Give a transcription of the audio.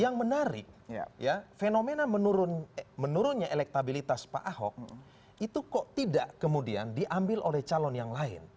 yang menarik ya fenomena menurunnya elektabilitas pak ahok itu kok tidak kemudian diambil oleh calon yang lain